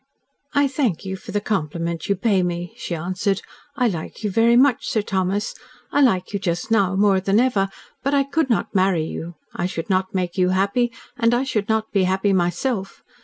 "I thank you for the compliment you pay me," she answered. "I like you very much, Sir Thomas and I like you just now more than ever but I could not marry you. I should not make you happy, and I should not be happy myself.